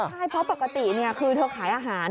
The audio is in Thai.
ใช่เพราะปกติคือเธอขายอาหาร